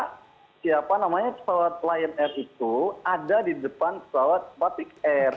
karena siapa namanya pesawat lion air itu ada di depan pesawat batik air